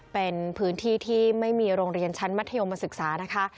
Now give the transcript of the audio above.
เป็นพื้นที่ที่ไม่มีโรงเรียนชั้นมัธยมศึกษานะคะ